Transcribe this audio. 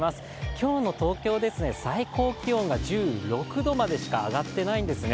今日の東京ですが、最高気温が１６度までしか上がっていないんですね。